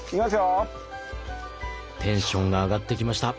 テンションが上がってきました。